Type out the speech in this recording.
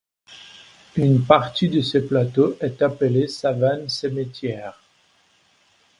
Une partie de ce plateau est appelée Savane Cimetière.